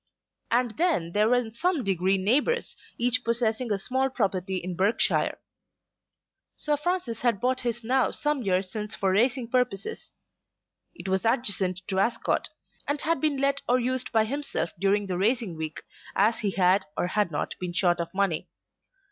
And then they were in some degree neighbours, each possessing a small property in Berkshire. Sir Francis had bought his now some years since for racing purposes. It was adjacent to Ascot, and had been let or used by himself during the racing week, as he had or had not been short of money.